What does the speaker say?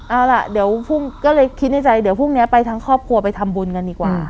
เอาล่ะเดี๋ยวพรุ่งก็เลยคิดในใจเดี๋ยวพรุ่งนี้ไปทั้งครอบครัวไปทำบุญกันดีกว่า